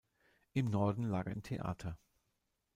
Im Norden lag ein Theater.